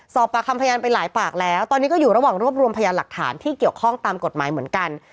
สอบปากคำพยานไปหลายปากแล้วตอนนี้ก็อยู่ระหว่างรวบรวมพยานหลักฐานที่เกี่ยวข้องตามกฎหมายเหมือนกัน